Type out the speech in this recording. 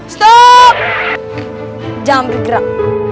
stop jangan bergerak